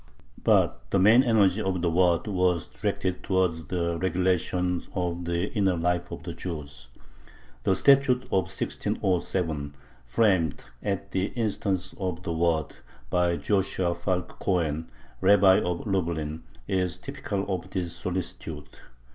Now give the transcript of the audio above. But the main energy of the Waad was directed towards the regulation of the inner life of the Jews. The statute of 1607, framed, at the instance of the Waad, by Joshua Falk Cohen, Rabbi of Lublin, is typical of this solicitude.